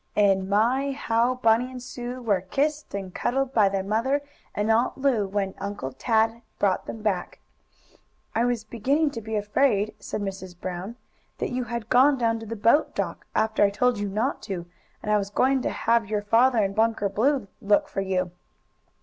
And my, how Bunny and Sue were kissed and cuddled by their mother and Aunt Lu when Uncle Tad brought them back! "I was beginning to be afraid," said Mrs. Brown, "that you had gone down to the boat dock, after I told you not to, and I was going to have your father and Bunker Blue look for you."